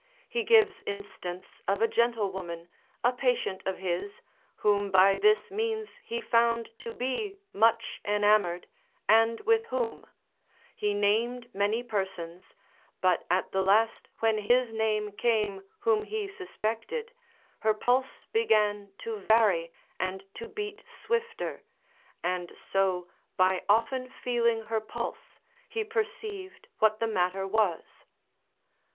he gives instance of a gentlewoman, a patient of his, whom by this means he found to be much enamoured, and with whom: he named many persons, but at the last when his name came whom he suspected, her pulse began to vary and to beat swifter, and so by often feeling her pulse, he perceived what the matter was.